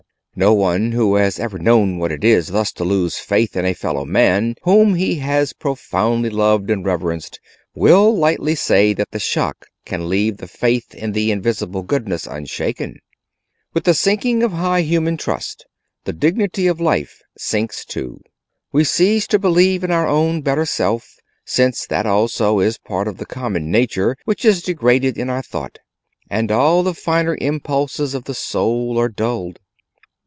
No one who has ever known what it is thus to lose faith in a fellow man whom he has profoundly loved and reverenced, will lightly say that the shock can leave the faith in the Invisible Goodness unshaken. With the sinking of high human trust, the dignity of life sinks too; we cease to believe in our own better self, since that also is part of the common nature which is degraded in our thought; and all the finer impulses of the soul are dulled.